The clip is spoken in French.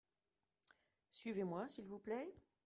suivez-moi s'il vous plait.